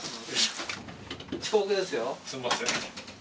すんません。